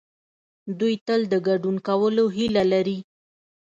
دوی تل د ګډون کولو هيله لري.